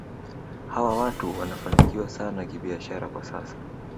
Hawa watu wanafanikiwa sana kibiashara kwa sasa